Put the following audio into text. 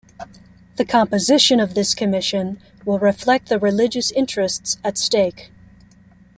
The composition of this Commission will reflect the religious interests at stake.